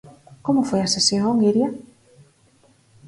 Como foi a sesión, Iria?